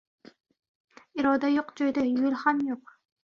Iroda yo‘q joyda yo‘l ham yo‘q.